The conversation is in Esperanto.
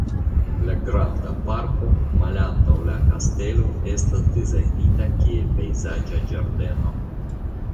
La granda parko malantaŭ la kastelo estas dizajnita kiel pejzaĝa ĝardeno.